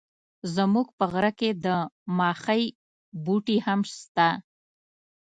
زموږ په غره کي د ماخۍ بوټي هم سته.